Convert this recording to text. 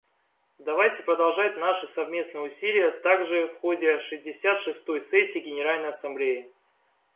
Давайте продолжать наши совместные усилия также в ходе шестьдесят шестой сессии Генеральной Ассамблеи.